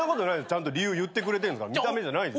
ちゃんと理由言ってくれてんすから見た目じゃないでしょ。